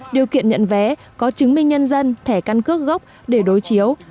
điều kiện nhận vé có chứng minh nhân dân thẻ căn cước gốc để đối chiếu